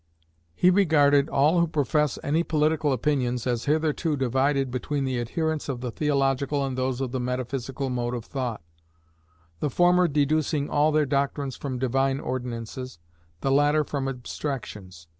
He regarded all who profess any political opinions as hitherto divided between the adherents of the theological and those of the metaphysical mode of thought: the former deducing all their doctrines from divine ordinances, the latter from abstractions.